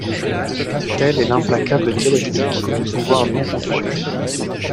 Telle est l'implacable dialectique du pouvoir non contrôlé.